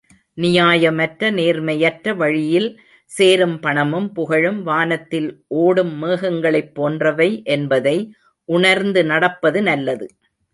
நியாயமற்ற, நேர்மையற்ற வழியில் சேரும் பணமும், புகழும் வானத்தில் ஓடும் மேகங்களைப் போன்றவை என்பதை உணர்ந்து நடப்பது நல்லது!